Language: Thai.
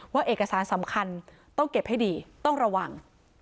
เอกสารสำคัญต้องเก็บให้ดีต้องระวัง